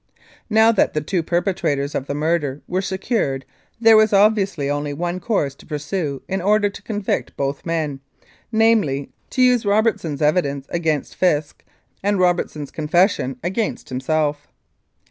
Now that the two perpetrators of the murder were secured there was obviously only one course to pursue in order to convict both men, namely, to use Robert son's evidence against Fisk and Robertson's confession against himself.